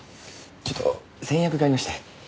ちょっと先約がいまして。